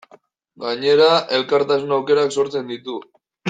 Gainera, elkartasun aukerak sortzen ditu.